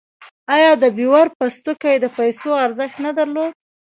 آیا د بیور پوستکي د پیسو ارزښت نه درلود؟